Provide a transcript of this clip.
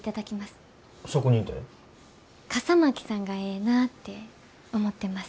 笠巻さんがええなって思ってます。